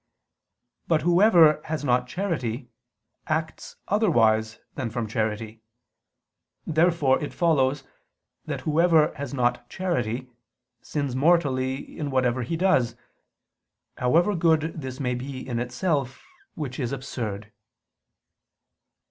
But whoever has not charity, acts otherwise than from charity. Therefore it follows that whoever has not charity, sins mortally in whatever he does, however good this may be in itself: which is absurd.